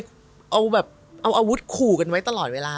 เอาแบบเอาอาวุธขู่กันไว้ตลอดเวลา